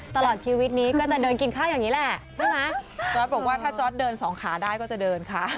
ตลอดชีวิตนี้ก็จะเดินกินข้าวอย่างนี้แหละใช่ไหมจอร์ดบอกว่าถ้าจอร์ดเดินสองขาได้ก็จะเดินค่ะ